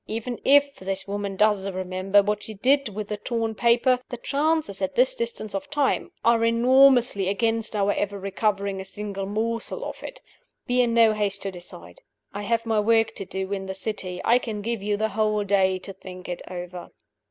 Even if this woman does remember what she did with the torn paper, the chances, at this distance of time, are enormously against our ever recovering a single morsel of it. Be in no haste to decide. I have my work to do in the city I can give you the whole day to think it over."